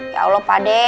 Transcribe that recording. ya allah pak de